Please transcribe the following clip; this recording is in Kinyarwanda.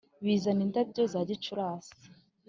bizana indabyo za gicurasi